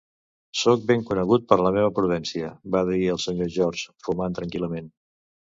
"Soc ben conegut per la meva prudència", va dir el Sr. George, fumant tranquil·lament.